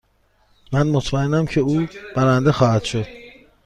من مطمئنم که او برنده خواهد شد.